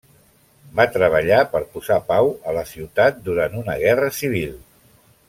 Va treballar per posar pau a la ciutat durant una guerra civil.